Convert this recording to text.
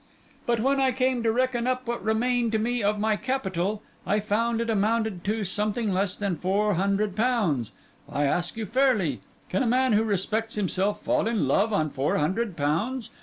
But when I came to reckon up what remained to me of my capital, I found it amounted to something less than four hundred pounds! I ask you fairly—can a man who respects himself fall in love on four hundred pounds?